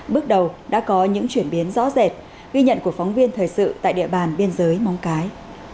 bước đầu đã có những chuyển biến rõ rệt ghi nhận của phóng viên thời sự tại địa bàn biên giới móng cái